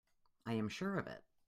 I am sure of it.